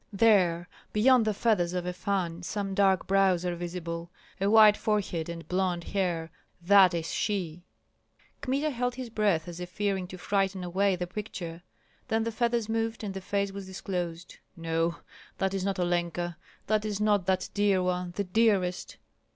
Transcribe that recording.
"There! beyond the feathers of a fan some dark brows are visible, a white forehead and blond hair. That is she!" Kmita held his breath, as if fearing to frighten away the picture; then the feathers moved and the face was disclosed. "No! that is not Olenka, that is not that dear one, the dearest."